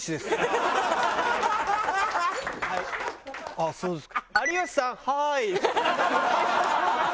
「ああそうですか」。